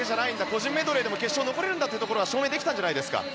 個人メドレーでも決勝に残れるんだということは証明できたんじゃないですか？